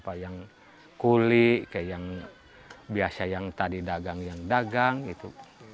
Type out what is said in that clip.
kayak yang biasa yang tadi dagang dagang gitu